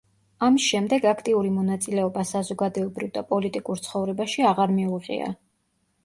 ამის შემდეგ აქტიური მონაწილეობა საზოგადოებრივ და პოლიტიკურ ცხოვრებაში აღარ მიუღია.